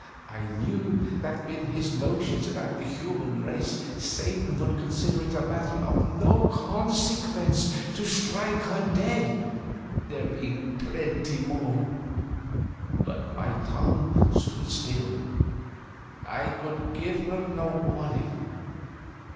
I knew that with his notions about the human race Satan would consider it a matter of no consequence to strike her dead, there being "plenty more"; but my tongue stood still, I could give her no warning.